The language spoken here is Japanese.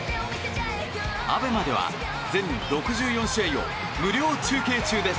ＡＢＥＭＡでは全６４試合を無料中継中です。